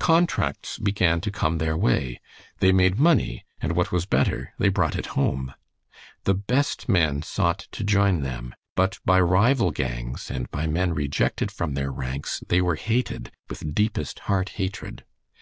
Contracts began to come their way. They made money, and what was better, they brought it home. The best men sought to join them, but by rival gangs and by men rejected from their ranks they were hated with deepest heart hatred.